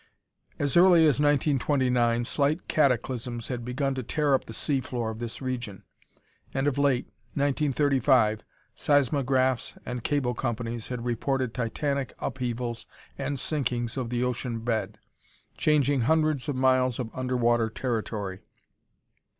As early as 1929 slight cataclysms had begun to tear up the sea floor of this region, and of late 1935 seismographs and cable companies had reported titanic upheavals and sinkings of the ocean bed, changing hundreds of miles of underwater territory.